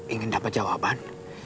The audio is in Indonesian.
ingin dapat jawaban